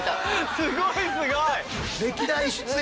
すごいすごい。